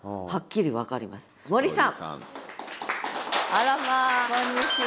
あらまあこんにちは。